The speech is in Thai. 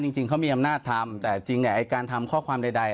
จริงเขามีอำนาจทำแต่จริงเนี่ยไอ้การทำข้อความใด